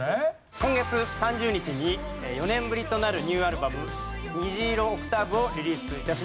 今月３０日に４年ぶりとなるニューアルバム『虹色∞オクターブ』をリリース致します。